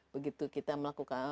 begitu kita melakukan